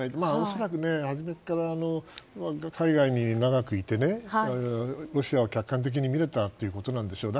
恐らく海外に長くいてロシアを客観的に見れたということなんでしょう。